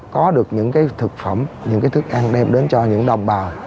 có được những cái thực phẩm những thức ăn đem đến cho những đồng bào